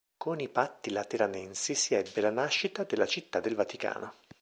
Con i Patti Lateranensi si ebbe la nascita della Città del Vaticano.